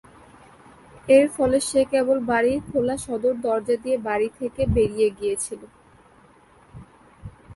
এর ফলে সে কেবল বাড়ির খোলা সদর দরজা দিয়ে বাড়ি থেকে বেরিয়ে গিয়েছিল।